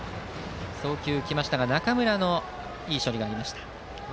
送球が来ましたが中村のいい処理がありました。